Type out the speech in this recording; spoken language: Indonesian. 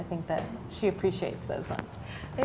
jadi saya pikir dia mengenal ini